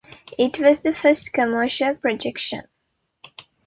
It was the first commercial projection.